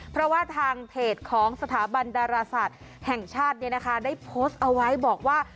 เพราะว่าทางเพจของสถาบันดาราศาสตร์แห่งชาติได้โพสต์เอาไว้บอกว่า